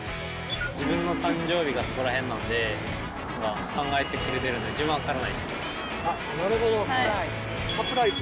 自分の誕生日がそこらへんなんで、考えてくれてるんで、自分サプライズ？